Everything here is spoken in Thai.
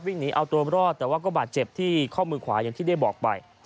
วิ่งหนีเอาตัวรอดแต่ว่าก็บาดเจ็บที่ข้อมือขวาอย่างที่ได้บอกไป